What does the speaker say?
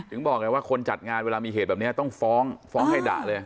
บอกไงว่าคนจัดงานเวลามีเหตุแบบนี้ต้องฟ้องฟ้องให้ด่าเลย